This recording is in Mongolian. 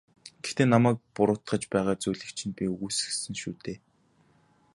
Гэхдээ намайг буруутгаж байгаа зүйлийг чинь би үгүйсгэсэн шүү дээ.